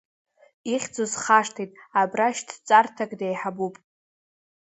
Ихьӡу схашҭит, абра шьтҭаҵарҭак деиҳабуп.